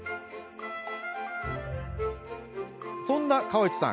そんな河内さん